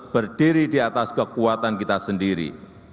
berdiri di atas kekuatan kita sendiri